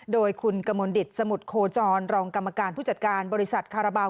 โดยคุณกมลดิตสมุทรโคจรรองกรรมการผู้จัดการบริษัทคาราบาล